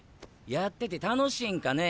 やってて楽しいんかね？